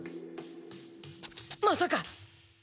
まさか。